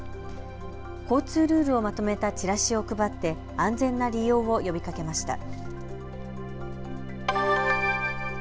交通ルールをまとめたチラシを配って安全な利用を呼びかけました。